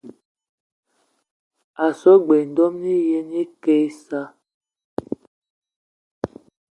A so g-beu ndomni ye na ake issa.